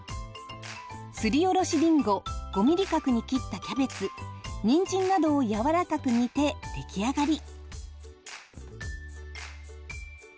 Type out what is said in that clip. すりおろしりんご５ミリ角に切ったキャベツにんじんなどをやわらかく煮て出来上がり。